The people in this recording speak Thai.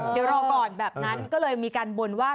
เดี๋ยวรอก่อนแบบนั้นก็เลยมีการบนว่า